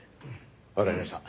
わかりました。